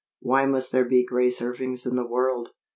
Why must there be Grace Irvings in the world?